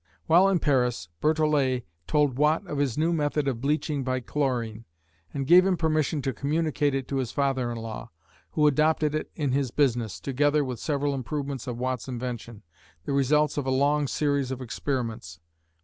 While in Paris, Berthollet told Watt of his new method of bleaching by chlorine, and gave him permission to communicate it to his father in law, who adopted it in his business, together with several improvements of Watt's invention, the results of a long series of experiments.